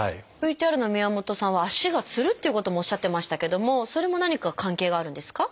ＶＴＲの宮本さんは足がつるということもおっしゃってましたけどもそれも何か関係があるんですか？